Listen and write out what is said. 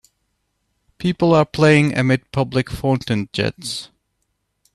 People are playing amid public fountain jets.